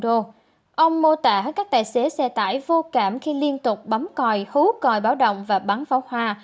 ông mô tả các tài xế xe tải vô cảm khi liên tục bấm còi khứ còi báo động và bắn pháo hoa